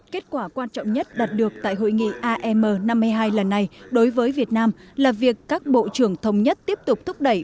kết quả quan trọng nhất đạt được tại hội nghị am năm mươi hai lần này đối với việt nam là việc các bộ trưởng thống nhất tiếp tục thúc đẩy